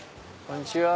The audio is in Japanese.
こんにちは。